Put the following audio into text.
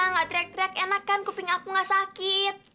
enggak teriak teriak enak kan kuping aku enggak sakit